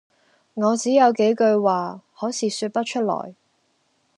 「我只有幾句話，可是説不出來。